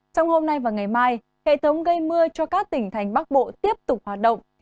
trong hôm nay và ngày mai hệ thống gây mưa cho các tỉnh thành bắc bộ tiếp tục hoạt động